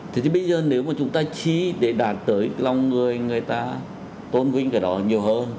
thế thì bây giờ nếu mà chúng ta chi để đạt tới lòng người người ta tôn vinh cái đó nhiều hơn